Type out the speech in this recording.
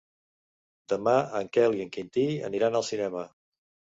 Demà en Quel i en Quintí aniran al cinema.